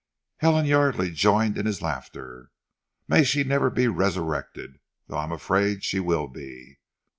Helen Yardely joined in his laughter. "May she never be resurrected though I am afraid she will be.